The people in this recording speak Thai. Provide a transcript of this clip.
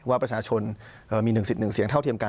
ว่าประชาชนมีหนึ่งสิทธิ์หนึ่งเสียงเท่าเทียมการ